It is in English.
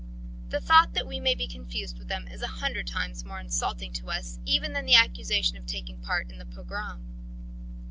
The thought that we may be confused with them is a hundred times more insulting to us even than the accusation of taking part in a pogrom.